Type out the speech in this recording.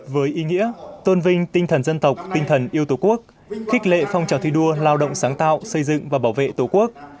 với ý nghĩa tôn vinh tinh thần dân tộc tinh thần yêu tổ quốc khích lệ phong trào thi đua lao động sáng tạo xây dựng và bảo vệ tổ quốc